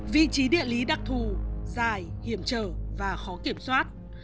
vị trí địa lý đặc thù dài hiểm trở và khó kiểm soát